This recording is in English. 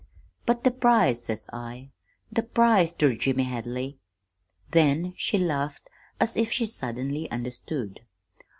"'But the prize,' says I. 'The prize ter James Hadley!' "Then she laughed as if she suddenly understood.